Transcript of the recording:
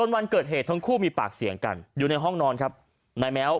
วันเกิดเหตุทั้งคู่มีปากเสียงกันอยู่ในห้องนอนครับนายแม้ว